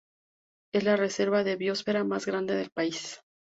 Es la reserva de biosfera más grande del país.